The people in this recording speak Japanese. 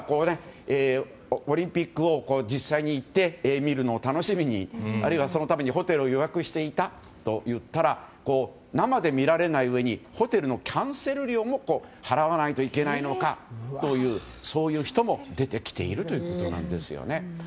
オリンピック実際に行って見るのを楽しみにあるいはそのためにホテルを予約していたといったら生で見られないうえにホテルのキャンセル料も払わないといけないのかという人も出てきているということです。